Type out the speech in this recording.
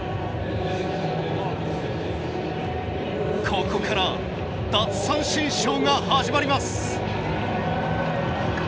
ここから奪三振ショーが始まります。